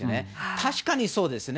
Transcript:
確かにそうですね。